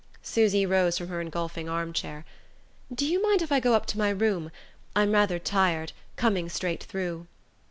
Susy rose from her engulphing armchair. "Do you mind if I go up to my room? I'm rather tired coming straight through."